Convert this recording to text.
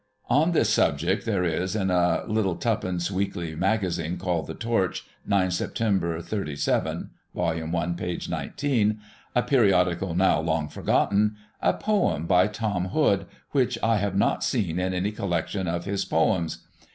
On this subject there is, in a little twopenny weekly magazine^ called The Torchy 9 Sep., '37 (vol. i., p. 19), a periodical now long forgotten, a poem by Tom Hood, which I have not seen in any collection of his poems.